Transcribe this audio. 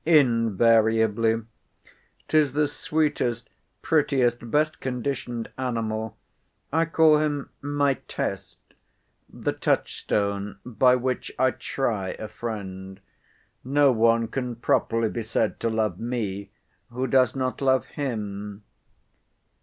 "Invariably. 'Tis the sweetest, prettiest, best conditioned animal. I call him my test—the touchstone by which I try a friend. No one can properly be said to love me, who does not love him."